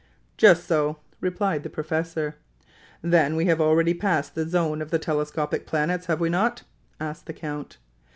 "Just so," replied the professor. "Then we have already passed the zone of the telescopic planets, have we not?" asked the count.